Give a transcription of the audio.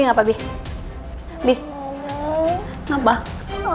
berhenti dia bi pelan pelan no